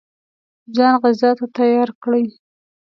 ځان غزا ته تیار کړي.